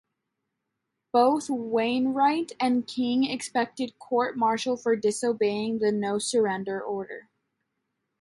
Both Wainwright and King expected court-martial for disobeying the no-surrender order.